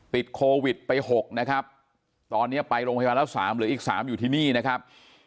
ติดโควิดไป๖นะครับตอนนี้ไปโรงพยาบาลแล้ว๓เหลืออีก๓อยู่ที่นี่นะครับ